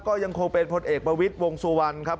ก็ยังคงเป็นพลเอกประวิทย์วงสุวรรณครับ